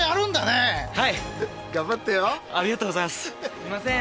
すいません。